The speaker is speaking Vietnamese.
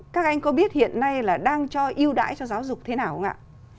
các anh có biết hiện nay là đang cho ưu đãi cho giáo dục thế nào không ạ